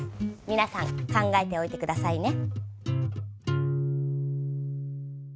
皆さん考えておいて下さいね。